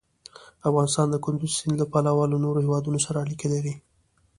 افغانستان د کندز سیند له پلوه له نورو هېوادونو سره اړیکې لري.